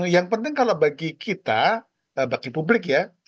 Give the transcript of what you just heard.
yang penting kalau bagi kita bagi publik ya